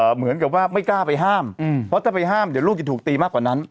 เหมือนกับว่าไม่กล้าไปห้ามเพราะถ้าไปห้ามเดี๋ยวลูกจะถูกตีมากกว่านั้น